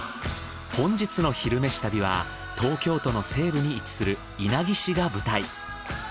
本日の「昼めし旅」は東京都の西部に位置する稲城市が舞台。